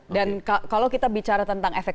dan kalau kita bicara tentang efek